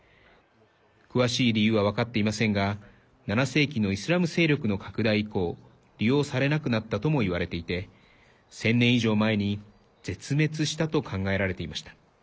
詳しい理由は分かっていませんが７世紀のイスラム勢力の拡大以降利用されなくなったともいわれていて１０００年以上前に絶滅したと考えられていました。